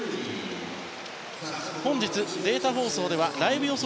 本日、データ放送ではライブ予想